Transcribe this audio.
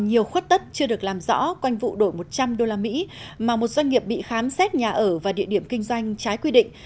nhiều khuất tất chưa được làm rõ quanh vụ đổi một trăm linh usd mà một doanh nghiệp bị khám xét nhà ở và địa điểm kinh doanh trái quy định